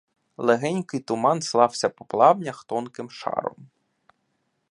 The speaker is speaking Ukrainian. Легенький туман слався по плавнях тонким шаром.